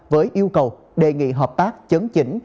với yêu cầu đề nghị hợp tác chấn chỉnh